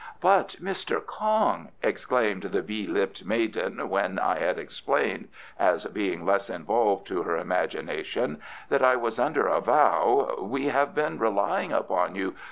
"But, Mr. Kong," exclaimed the bee lipped maiden, when I had explained (as being less involved to her imagination,) that I was under a vow, "we have been relying upon you.